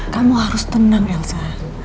kamu harus tenang elsa